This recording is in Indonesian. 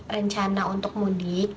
rencana untuk mudik